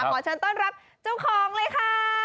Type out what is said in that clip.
ขอเชิญต้อนรับเจ้าของเลยค่ะ